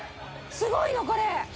すごいのこれ。